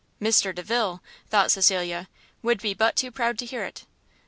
Mr Delvile, thought Cecilia, would be but too proud to hear it!